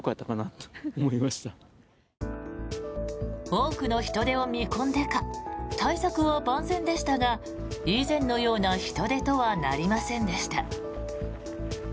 多くの人出を見込んでか対策は万全でしたが以前のような人出とはなりませんでした。